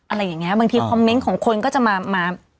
อะไรอย่างนี้บางทีคอมเมนต์ของคนก็จะมา